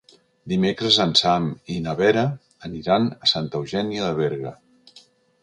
Dimecres en Sam i na Vera aniran a Santa Eugènia de Berga.